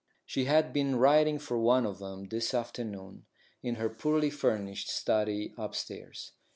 She had been writing for one of them, this afternoon, in her poorly furnished study upstairs.